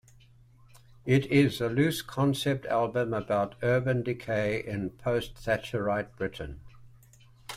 It is a loose concept album about urban decay in post-Thatcherite Britain.